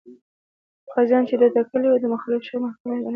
قاضیان چې ده ټاکلي وو، د مخالف مشر محاکمه یې ګڼله.